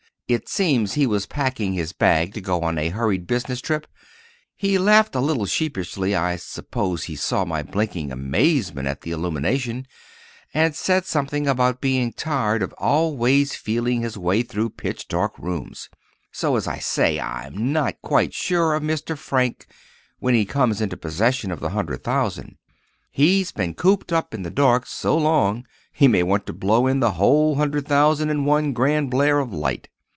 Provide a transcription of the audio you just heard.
It seems he was packing his bag to go on a hurried business trip. He laughed a little sheepishly—I suppose he saw my blinking amazement at the illumination—and said something about being tired of always feeling his way through pitch dark rooms. So, as I say, I'm not quite sure of Mr. Frank when he comes into possession of the hundred thousand. He's been cooped up in the dark so long he may want to blow in the whole hundred thousand in one grand blare of light.